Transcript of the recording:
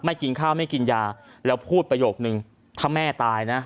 กินข้าวไม่กินยาแล้วพูดประโยคนึงถ้าแม่ตายนะ